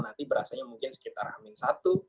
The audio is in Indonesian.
nanti berasanya mungkin sekitar amin satu